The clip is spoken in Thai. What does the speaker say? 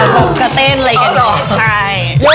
พวกเต้นเลยกัน